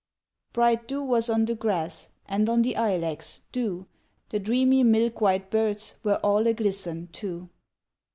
Bright dew was on the grass, And on the ilex, dew, The dreamy milk white birds Were all a glisten, too.